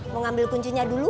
mau ambil kuncinya dulu